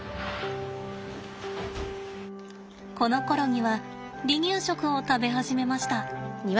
このころには離乳食を食べ始めました。